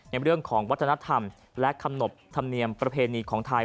ในเรื่องของวัฒนธรรมและคำนบธรรมเนียมประเพณีของไทย